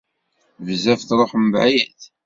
Bezzaf truḥem bεid.